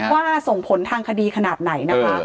ว่าส่งผลทางคดีขนาดไหนนะคะ